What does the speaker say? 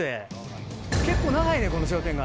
結構長いねんこの商店街。